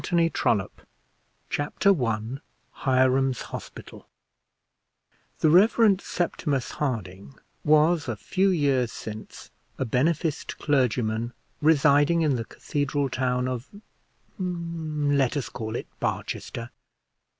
Conclusion Chapter I HIRAM'S HOSPITAL The Rev. Septimus Harding was, a few years since, a beneficed clergyman residing in the cathedral town of ; let us call it Barchester.